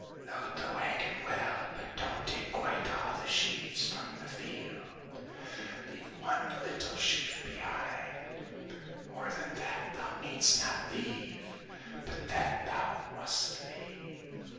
Load the wagon well, but don't take quite all the sheaves from the field. Leave one little sheaf behind ; more than that thou needst not leave, but that thou must leave.